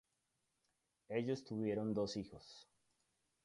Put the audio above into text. Ellos tuvieron dos hijos.